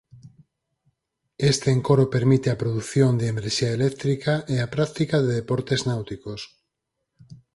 Este encoro permite a produción de enerxía eléctrica e a práctica de deportes náuticos.